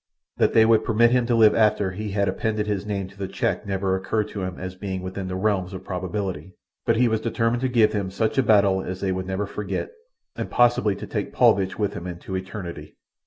That they would permit him to live after he had appended his name to the cheque never occurred to him as being within the realms of probability. But he was determined to give them such a battle as they would never forget, and possibly to take Paulvitch with him into eternity.